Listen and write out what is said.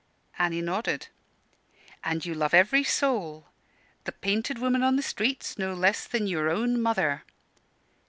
Annie nodded. "And you love every soul the painted woman in the streets no less than your own mother?"